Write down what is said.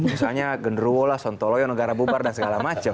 misalnya genderuola sontoloyon negara bubar dan segala macem